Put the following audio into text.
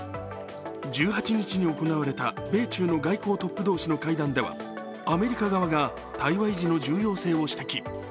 １８日に行われた米中の外交トップ同士の会談ではアメリカ側が対話維持の重要性を指摘。